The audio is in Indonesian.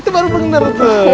itu baru bener tuh